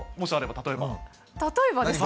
例えばですか。